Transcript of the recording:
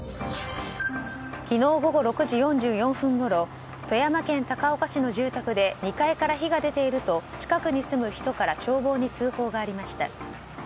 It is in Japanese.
昨日午後６時４４分ごろ富山県高岡市の住宅で２階から火が出ていると近くに住む人から消防に通報がありました。